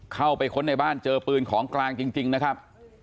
เข้าไปค้นใบ้บ้านเจอปืนของกลางจริงนะครับ